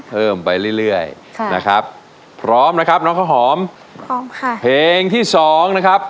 ไปเรื่อยเรื่อยค่ะนะครับพร้อมนะครับน้องข้าวหอมพร้อมค่ะเพลงที่สองนะครับ